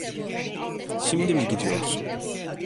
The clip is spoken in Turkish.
Şimdi mi gidiyorsun?